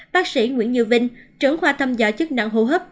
bác sĩ nguyễn như vinh trưởng khoa thăm gia chức năng hô hấp